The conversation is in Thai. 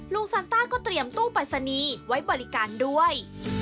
ซันต้าก็เตรียมตู้ปรายศนีย์ไว้บริการด้วย